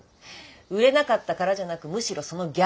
売れなかったからじゃなくむしろその逆。